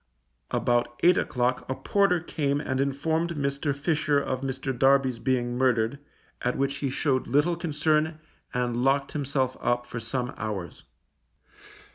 About eight o'clock a porter came and informed Fisher of Mr. Darby's being murdered, at which he shewed little concern and locked himself up for some hours.